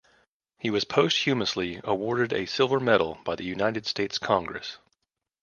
He was posthumously awarded a silver medal by the United States Congress.